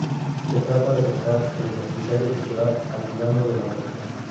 Se trata de acercar el mestizaje cultural al plano de la música.